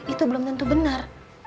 itu belum tentu benar